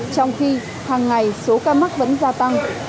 trong khi hàng ngày số ca mắc vẫn gia tăng